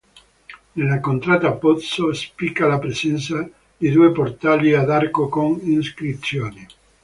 Nella contrada "Pozzo" spicca la presenza di due portali ad arco con iscrizioni.